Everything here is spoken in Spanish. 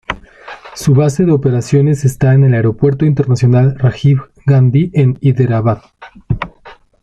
Su base de operaciones está en el Aeropuerto Internacional Rajiv Gandhi en Hyderabad.